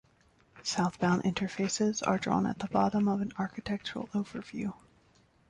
Southbound interfaces are drawn at the bottom of an architectural overview.